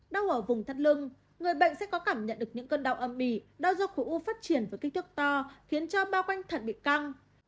đau ở vùng thắt lưng người bệnh sẽ có cảm nhận được những cơn đau âm mỉ đau do khu u phát triển với kích thước to khiến cho bao quanh thật bị căng